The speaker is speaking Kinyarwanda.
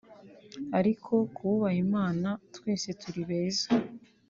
ariko ku bubaha Imana twese turi beza